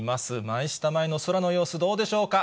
マイスタ前の空の様子、どうでしょうか。